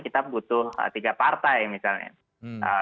kita butuh tiga partai misalnya